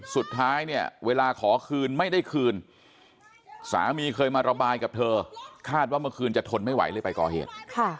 สุดท้ายเนี่ยเวลาขอคืนไม่ได้คืนสามีเคยมาระบายกับเธอคาดว่าเมื่อคืนจะทนไม่ไหวเลยไปก่อเหตุ